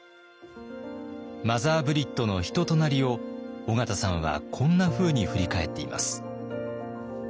マザー・ブリットの人となりを緒方さんはこんなふうに振り返っています。